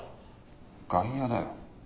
外野だよ。